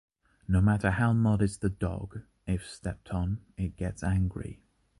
No matter how modest the dog, if stepped on, it gets angry.